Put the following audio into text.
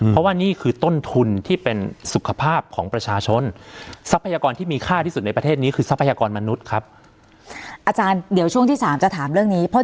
เพราะว่านี่คือต้นทุนที่เป็นสุขภาพของประชาชนที่มีค่าที่สุดในประเทศนี้คือที่มีค่าที่สุดในประเทศนี้คือ